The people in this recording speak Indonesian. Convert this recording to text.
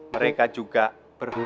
mereka juga berpikirnya